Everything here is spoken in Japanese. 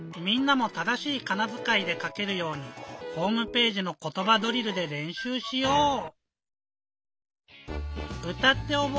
みんなも正しいかなづかいでかけるようにホームページの「ことばドリル」でれんしゅうしよう！